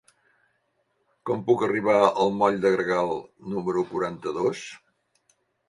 Com puc arribar al moll de Gregal número quaranta-dos?